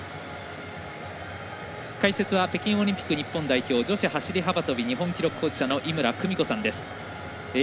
解説は北京オリンピック日本代表女子走り幅跳び日本記録保持者の井村久美子さんです。